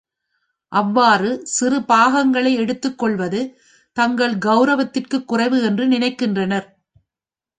அவ்வாறு சிறு பாகங்களை எடுத்துக்கொள்வது தங்கள் கௌரவத்திற்குக் குறைவு என்று நினைக்கின்றனர்.